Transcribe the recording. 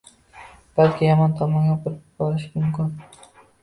balki yomon tomonga burib yuborishi mumkin.